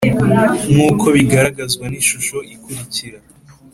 nkuko biragaragazwa n’ishusho ikurikira